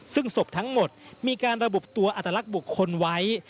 ซึ่งศพทั้งหมดมีการระบุตัวอัตลักษณ์บุคคลไว้